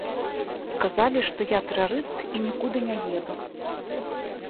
Сказалі, што я тэрарыст і нікуды не еду.